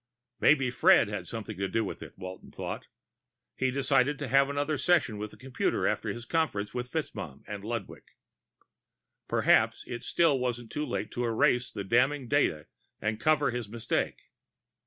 Maybe Fred had something to do with it, Walton thought. He decided to have another session with the computer after his conference with FitzMaugham and Ludwig. Perhaps it still wasn't too late to erase the damning data and cover his mistake.